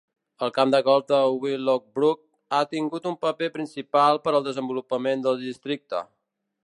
El camp de golf de Willowbrook ha tingut un paper principal per al desenvolupament del districte.